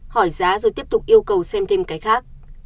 hỏi giá rồi tiếp tục yêu cầu xem thêm cái khác